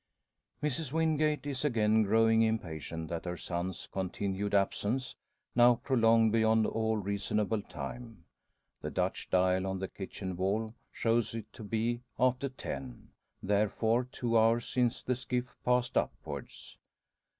Mrs Wingate is again growing impatient at her son's continued absence, now prolonged beyond all reasonable time. The Dutch dial on the kitchen wall shows it to be after ten; therefore two hours since the skiff passed upwards.